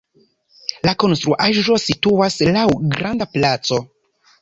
La konstruaĵo situas laŭ granda placo.